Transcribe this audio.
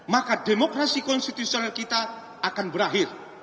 maka demokrasi konstitusional kita akan berakhir